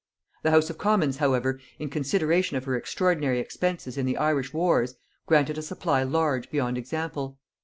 The house of commons however, in consideration of her extraordinary expenses in the Irish wars, granted a supply large beyond example.